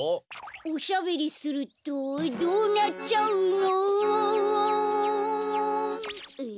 おしゃべりするとどうなっちゃうのおおおん。え？